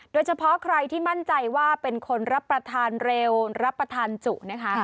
โดยเฉพาะใครที่มั่นใจว่าเป็นคนรับประทานเร็วรับประทานจุนะคะ